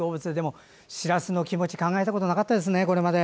でもしらすの気持ち、これまで考えたことなかったですね。